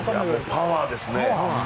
パワーですね。